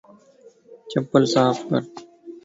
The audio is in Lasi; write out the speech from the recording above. چپل صاف ڪر